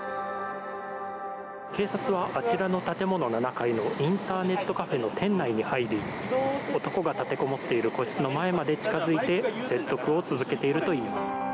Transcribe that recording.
警察はあちらの建物７階のインターネットカフェの店内に入り男が立てこもっている個室の前まで近づいて説得を続けているといいます。